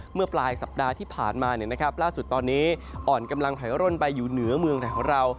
เมื่อปลายสัปดาห์ที่ผ่านมาล่าสุดตอนนี้อ่อนกำลังถอยร่นไปอยู่เหนือเมืองไทยของเรา